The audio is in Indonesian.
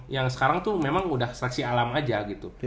yang sekarang tuh memang udah seleksi alam aja gitu